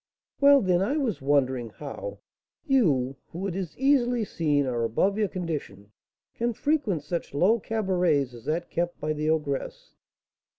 "Well, then, I was wondering how you, who, it is easily seen, are above your condition, can frequent such low cabarets as that kept by the ogress."